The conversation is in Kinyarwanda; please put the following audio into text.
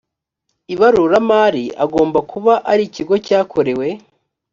ibaruramari agomba kuba ari ikigo cyakorewe